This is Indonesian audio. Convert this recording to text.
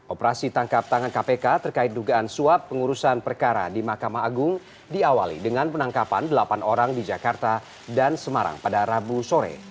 operasi tangkap tangan kpk terkait dugaan suap pengurusan perkara di mahkamah agung diawali dengan penangkapan delapan orang di jakarta dan semarang pada rabu sore